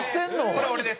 これ俺です。